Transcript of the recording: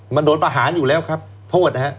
มันโดนประหารอยู่แล้วครับโทษนะฮะ